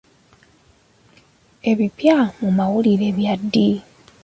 Ebipya mu mawulire bya ddi?